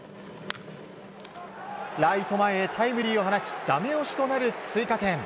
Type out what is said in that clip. ライト前へタイムリーを放ちダメ押しとなる追加点。